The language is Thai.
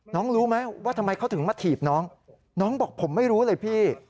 รู้ไหมว่าทำไมเขาถึงมาถีบน้องน้องบอกผมไม่รู้เลยพี่